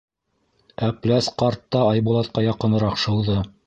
Әпләс ҡарт та Айбулатҡа яҡыныраҡ шыуҙы.